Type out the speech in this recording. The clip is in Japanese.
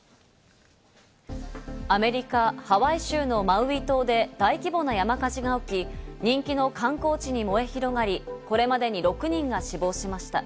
アメリカ・ハワイ州のマウイ島で大規模な山火事が起き、人気の観光地に燃え広がり、これまでに６人が死亡しました。